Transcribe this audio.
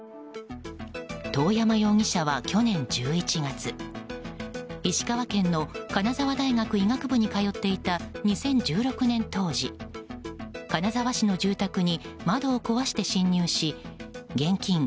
遠山容疑者は、去年１１月石川県の金沢大学医学部に通っていた２０１６年当時、金沢市の住宅に窓を壊して侵入し現金